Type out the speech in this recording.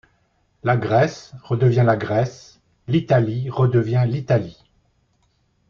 La Grèce redevient la Grèce, l’Italie redevient l’Italie.